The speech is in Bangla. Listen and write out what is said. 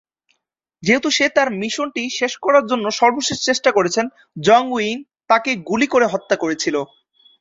যেহেতু সে তার মিশনটি শেষ করার জন্য সর্বশেষ চেষ্টা করছেন, "জং-উইন" তাকে গুলি করে হত্যা করেছিল।